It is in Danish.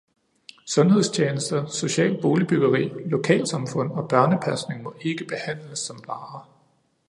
Sundhedstjenester, socialt boligbyggeri, lokalsamfund og børnepasning må ikke behandles som varer.